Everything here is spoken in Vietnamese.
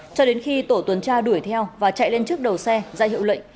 cho đến khi tổ tuần tra đuổi theo và chạy lên trước đầu xe ra hiệu lệnh